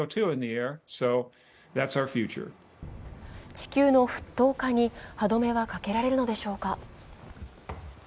地球の沸騰化に歯止めはかけられるのでしょうか。